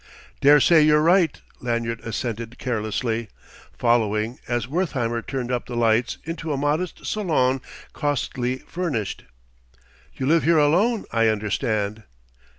"Daresay you're right," Lanyard assented carelessly, following, as Wertheimer turned up the lights, into a modest salon cosily furnished. "You live here alone, I understand?"